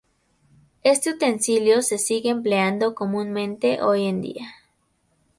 Este utensilio se sigue empleando comúnmente hoy en día.